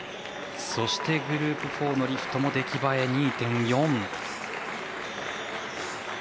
そして、グループ４リフトも出来栄え２．４。